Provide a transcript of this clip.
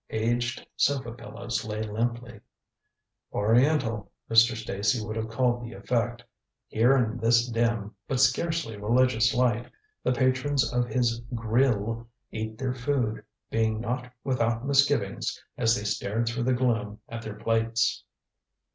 Aged sofa pillows lay limply. "Oriental," Mr. Stacy would have called the effect. Here in this dim, but scarcely religious light, the patrons of his "grill" ate their food, being not without misgivings as they stared through the gloom at their plates.